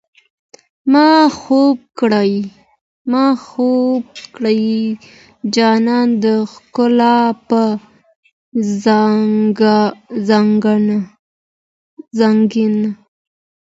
ما خوب كړئ جانانه د ښكلا پر ځـنـګانــه